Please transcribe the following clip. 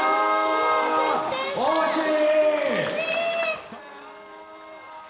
惜しい。